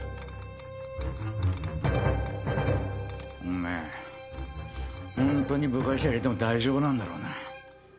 おめえ本当に部外者入れても大丈夫なんだろうな？